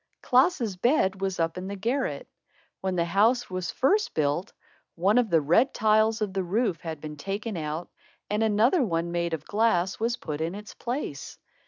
Klaas's bed was up in the garret. When the house was first built, one of the red tiles of the roof had been taken out and another one, made of glass, was put in its place.